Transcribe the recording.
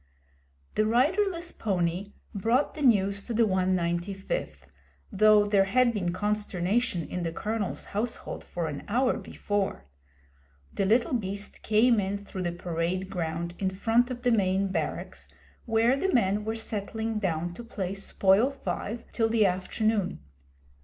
The riderless pony brought the news to the 195th, though there had been consternation in the Colonel's household for an hour before. The little beast came in through the parade ground in front of the main barracks, where the men were settling down to play Spoil five till the afternoon.